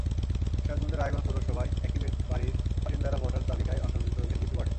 সিরাজগঞ্জের রায়গঞ্জ পৌরসভায় একই বাড়ির বাসিন্দারা ভোটার তালিকায় অন্তর্ভুক্ত হয়েছেন দুইটি ওয়ার্ডে।